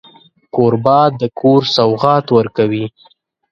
کوربه د کور سوغات ورکوي.